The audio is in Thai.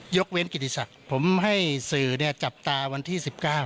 ยกเว้นกิจกรรมผมให้สื่อเนี่ยจับตาวันที่๑๙